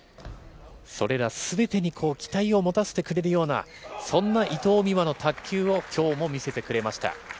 それらすべてに期待を持たせてくれるような、そんな伊藤美誠の卓球をきょうも見せてくれました。